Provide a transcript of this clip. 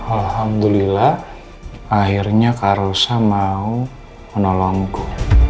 alhamdulillah akhirnya kak rosa mau menolongku